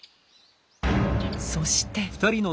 そして。